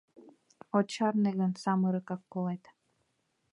— От чарне гын, самырыкак колет.